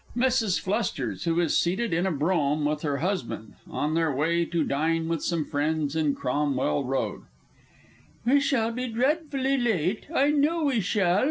_ MRS. FLUSTERS (who is seated in a brougham with her husband, on their way to dine with some friends in Cromwell Road). We shall be dreadfully late, I know we shall!